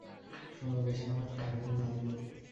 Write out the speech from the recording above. শোন, বেশি সময় পার হয়নি, নান্দু।